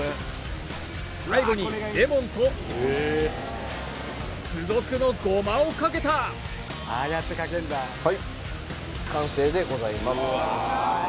最後にレモンと付属のゴマをかけたはい完成でございます